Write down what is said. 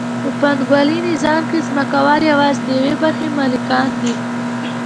په پانګوالي نظام کې ځمکوال یوازې د یوې برخې مالکان دي